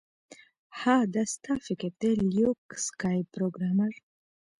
ها دا ستا فکر دی لیوک سکای پروګرامر